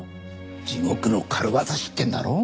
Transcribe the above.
地獄の軽業師ってんだろ？